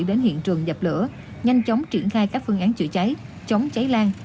đến hiện trường dập lửa nhanh chóng triển khai các phương án chữa cháy chống cháy lan